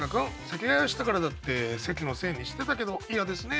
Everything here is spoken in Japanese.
席替えをしたからだって席のせいにしてたけど嫌ですね。